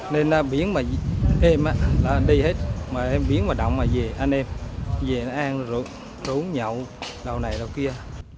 nên biển mà đem là đi hết mà biển mà động là về ăn em về nó ăn rồi uống nhậu đầu này đầu kia